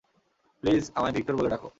Please, আমায় Victor বলে ডাকো।